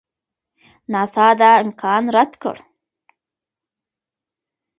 ناسا دا امکان رد کړ.